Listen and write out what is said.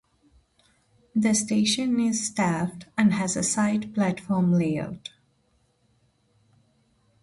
The station is staffed and has a side platform layout.